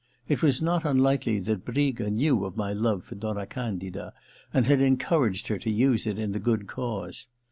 It was not unlikely that Briga knew of my love for Donna Candida, and had encouraged her to use it in the good cause.